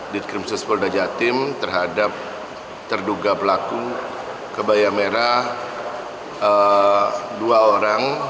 ditkrim suspolda jatim terhadap terduga pelaku kebaya merah dua orang